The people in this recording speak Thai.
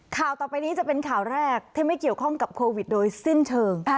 ข่าวต่อไปนี้จะเป็นข่าวแรกที่ไม่เกี่ยวข้องกับโควิดโดยสิ้นเชิง